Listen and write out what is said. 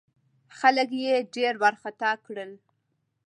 خلک یې ډېر وارخطا کړل.